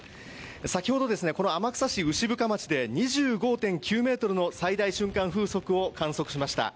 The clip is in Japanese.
先ほど、天草市牛深町で２５．９メートルの最大瞬間風速を観測しました。